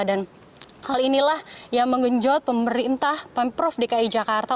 dan hal inilah yang mengenjot pemerintah pemprov dki jakarta